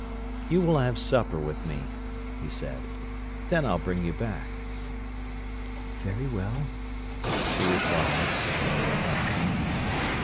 "You will just have supper with me," he said: "then I'll bring you back." "Very well," she replied, low and husky.